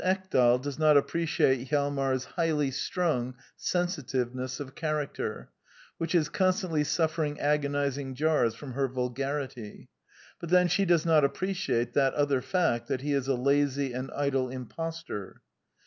Ekdal does not appreciate Hjalmar's highly strung sensitiveness of character, which is constantly suffering agonizing jars from her vul garity; but then she does not appreciBtfi.^at other^ac t^ that he^ s^a lazy and idle impostor.